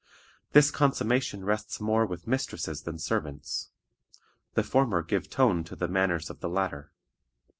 This consummation rests more with mistresses than servants. The former give tone to the manners of the latter.